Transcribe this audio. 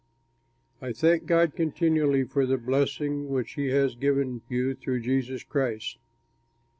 I thank God continually for the blessing which he has given you through Jesus Christ.